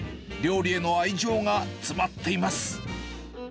料理への愛情が詰まっています。